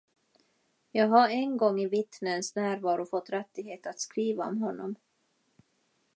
Jag har en gång i vittnens närvaro fått rättighet att skriva om honom.